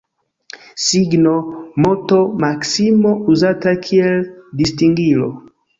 Signo, moto, maksimo uzata kiel distingilo.